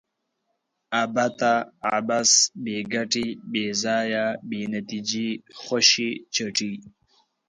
ابته ؛ عبث، بې ګټي، بې ځایه ، بې نتیجې، خوشي چټي